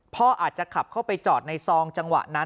พ่ออาจจะขับเข้าไปจอดในซองจังหวะนั้น